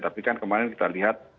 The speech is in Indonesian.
tapi kan kemarin kita lihat